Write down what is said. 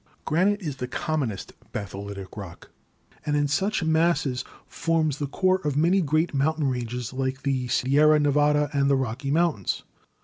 Granite is the commonest batholitic rock, and in such masses forms the core of many great mountain ranges like the Sierra Nevada and the Rocky Mountains.